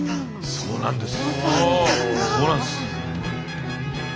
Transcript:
そうなんです。